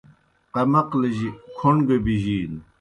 قمقلِجیْ کھوْݨ گہ بِجِینوْ